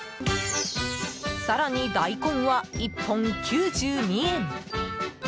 更に大根は、１本９２円。